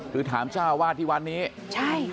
คือถามเจ้าวาดที่วัดนี้ใช่